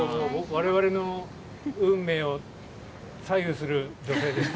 我々の運命を左右する女性です。